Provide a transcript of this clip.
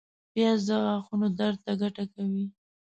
پیاز د غاښونو درد ته ګټه کوي